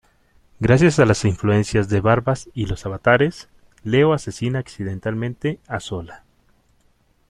Gracias a las influencias de Barbas y los Avatares, Leo asesina accidentalmente a Zola.